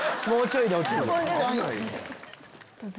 もうちょい！